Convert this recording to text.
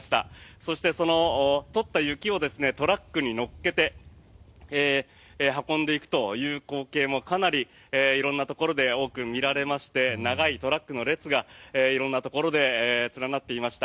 そしてその取った雪をトラックに載っけて運んでいくという光景もかなり色んなところで多く見られまして長いトラックの列が色んなところで連なっていました。